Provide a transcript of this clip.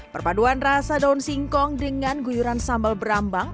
perpaduan rasa daun singkong dengan guyuran sambal brambang